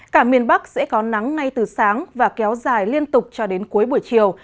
cả miền bắc sẽ có nắng ngay từ sáng và kéo dài liên tục cho đến cuối buổi chiều